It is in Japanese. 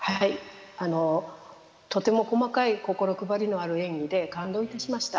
とても細かい心配りのある演技で、感動いたしました。